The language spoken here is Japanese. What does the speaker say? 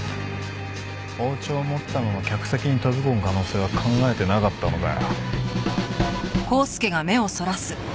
包丁持ったまま客席に飛び込む可能性は考えてなかったのかよ？